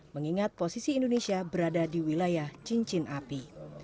mengingat posisi indonesia berada di wilayah cincin api